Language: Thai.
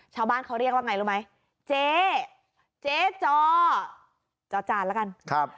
ชาวบ้านเขาเรียกว่าไงรู้ไหมเจ๊เจ๊จอจอจานแล้วกันครับ